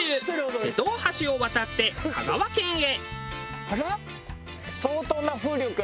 瀬戸大橋を渡って香川県へ。